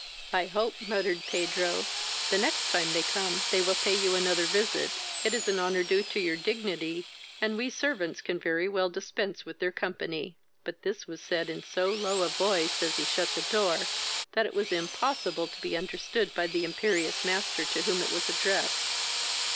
"I hope (muttered Pedro) the next time they come, they will pay you another visit. It is an honour due to your dignity, and we servants can very well dispense with their company;" but this was said in so low a voice, as he shut the door, that it was impossible to be understood by the imperious master to whom it was addressed.